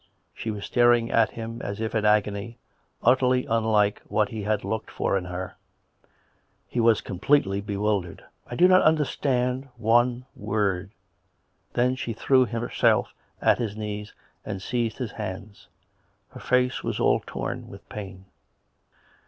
She was staring at him as if in agony, utterly unlike what he had looked for in her. He was completely be wildered. " I do not understand one word " Then she threw herself at his knees and seized his hands ; her face was all torn with pain.